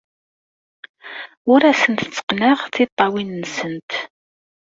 Ur asent-tteqqneɣ tiṭṭawin-nsent.